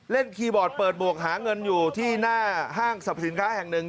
คีย์บอร์ดเปิดบวกหาเงินอยู่ที่หน้าห้างสรรพสินค้าแห่งหนึ่ง